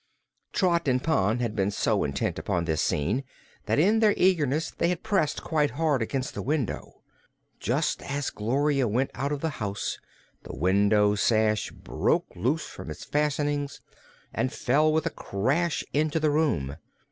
Trot and Pon had been so intent upon this scene that in their eagerness they had pressed quite hard against the window. Just as Gloria went out of the house the window sash broke loose from its fastenings and fell with a crash into the room.